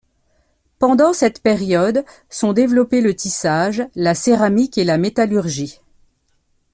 Pendant cette période, sont développés le tissage, la céramique et la métallurgie.